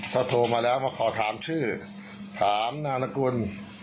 ก็โทรมาแล้วมาขอถามชื่อถามนารกุล